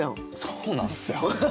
そうなんですよ！